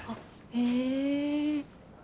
へえ。